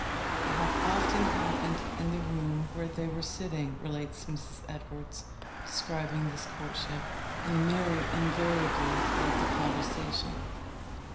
"I have often happened in the room where they were sitting," relates Mrs. Edwards, describing this courtship, "and Mary invariably led the conversation.